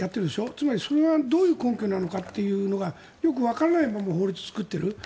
つまりそれはどういう根拠なのかというのがよくわからないまま法律を作っている。